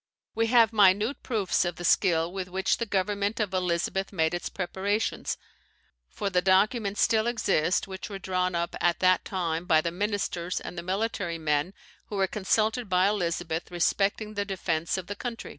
We have minute proofs of the skill with which the government of Elizabeth made its preparations; for the documents still exist which were drawn up at that time by the ministers and military men who were consulted by Elizabeth respecting the defence of the country.